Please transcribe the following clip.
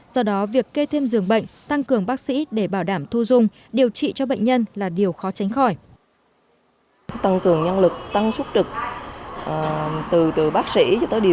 do đó việc kê thêm dường bệnh tăng cường bác sĩ để bảo đảm thu dung điều trị cho bệnh nhân là điều khó tránh khỏi